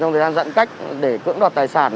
trong thời gian giãn cách để cưỡng đoạt tài sản